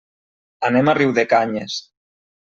Anem a Riudecanyes.